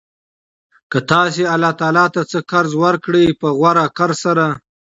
كه تاسي الله ته څه قرض ورکړئ په غوره قرض سره